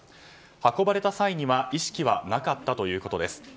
運ばれた際には意識はなかったということです。